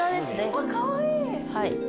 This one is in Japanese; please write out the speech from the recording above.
あっかわいい！